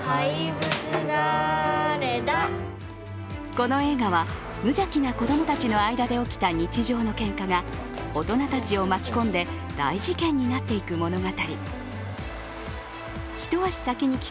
この映画は無邪気な子供たちの間で起きた日常のけんかが、大人たちを巻き込んで大事件になっていく物語。